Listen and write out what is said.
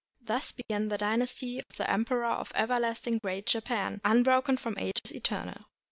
Thus began the dynasty of the emperors of Everlast ing Great Japan, "unbroken from ages eternal."